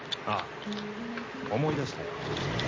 ああ思い出したよ。